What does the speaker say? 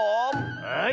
はい。